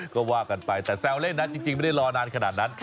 ก็ว่ากันไปแต่แซวเล่นนะจริงไม่ได้รอนานขนาดนั้น